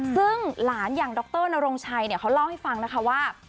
ซึ่งหลานอย่างดรนรงชัยเขาเล่าให้ฟังนะคะว่า